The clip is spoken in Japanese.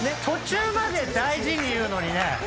途中まで大事に言うのにね